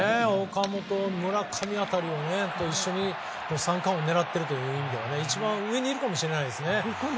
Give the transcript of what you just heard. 岡本、村上辺りと一緒に三冠王を狙っているという意味で一番上にいるかもしれないです。